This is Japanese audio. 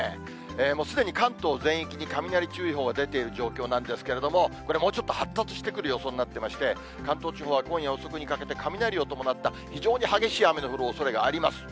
もうすでに関東全域に雷注意報が出ている状況なんですけれども、これもうちょっと発達してくる予想になってまして、関東地方は今夜遅くにかけて、雷を伴った非常に激しい雨の降るおそれがあります。